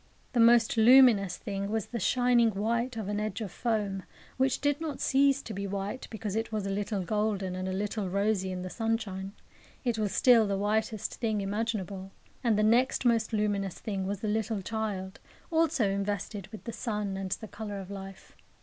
The most luminous thing was the shining white of an edge of foam, which did not cease to be white because it was a little golden and a little rosy in the sunshine. It was still the whitest thing imaginable. And the next most luminous thing was the little child, also invested with the sun and the colour of life.